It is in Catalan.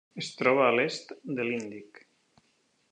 Es troba a l'est de l'Índic.